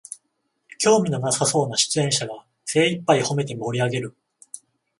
興味のなさそうな出演者が精いっぱいほめて盛りあげる